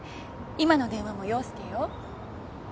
今の電話も陽佑よ。